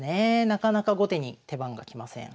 なかなか後手に手番が来ません。